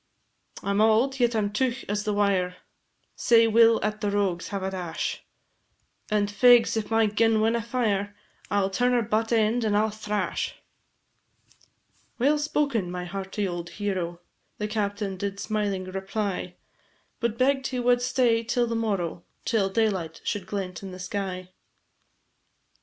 "I 'm auld, yet I 'm teugh as the wire, Sae we 'll at the rogues have a dash, And, fegs, if my gun winna fire, I 'll turn her butt end, and I 'll thrash." "Well spoken, my hearty old hero," The captain did smiling reply, But begg'd he wad stay till to morrow, Till daylight should glent in the sky.